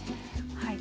はい。